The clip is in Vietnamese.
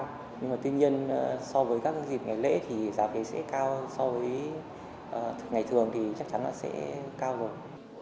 nhưng mà tuy nhiên so với các dịp ngày lễ thì giá vé sẽ cao so với ngày thường thì chắc chắn là sẽ cao rồi